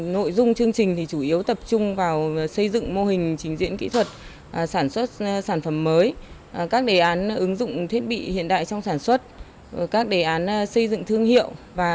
nội dung chương trình chủ yếu tập trung vào xây dựng mô hình trình diễn kỹ thuật sản xuất sản phẩm mới các đề án ứng dụng thiết bị hiện đại trong sản xuất các đề án xây dựng thương hiệu